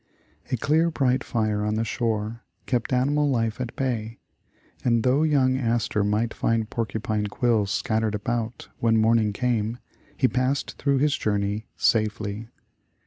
A clear, bright fire on the shore, kept animal life at bay, and though young Astor might find porcupine quills scattered about when morning came, he passed through his journey safely.